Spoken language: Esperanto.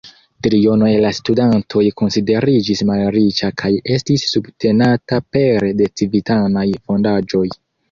Triono el la studantoj konsideriĝis malriĉa kaj estis subtenata pere de civitanaj fondaĵoj.